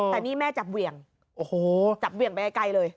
แต่นี่แม่จับเหวี่ยงโอ้โหจับเหวี่ยงไปไกลเลย